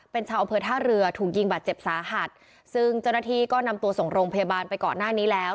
เป็นชาวอำเภอท่าเรือถูกยิงบาดเจ็บสาหัสซึ่งเจ้าหน้าที่ก็นำตัวส่งโรงพยาบาลไปก่อนหน้านี้แล้ว